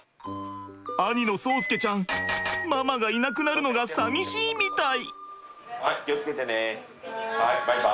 兄の蒼介ちゃんママがいなくなるのがさみしいみたい。